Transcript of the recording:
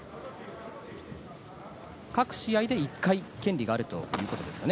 各試合で１回権利があるということですかね？